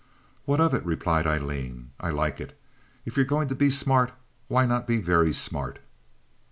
"What of it?" replied Aileen. "I like it. If you're going to be smart, why not be very smart?"